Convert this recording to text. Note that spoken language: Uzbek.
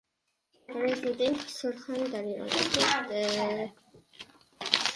Prezident Surxondaryoga ketdi